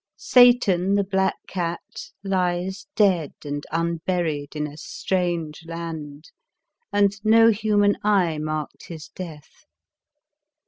Satan, the black cat, lies dead and un buried in a strange land, and no human eye marked his death.